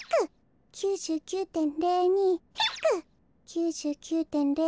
９９．０３。